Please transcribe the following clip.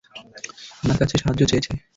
আমার কাছে সাহায্য চেয়েছে।